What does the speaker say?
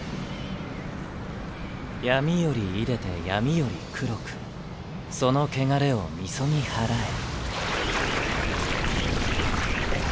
闇より出でて闇より黒くその穢れを禊ぎ祓え。